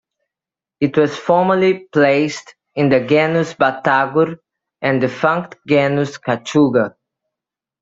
It was formerly placed in the genus "Batagur" and defunct genus "Kachuga".